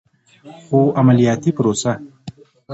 خو عملیاتي پروسه